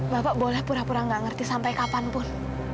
bapak boleh pura pura gak ngerti sampai kapanpun